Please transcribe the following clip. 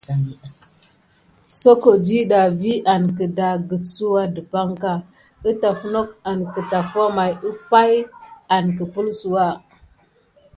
Soko diɗa vi an kəgəksouwa dəpaŋka ətaf nok an kətafwa may pay an kəpelsouwa.